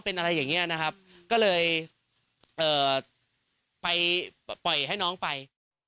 เป็นอะไรอย่างเงี้ยนะครับก็เลยเอ่อไปปล่อยให้น้องไป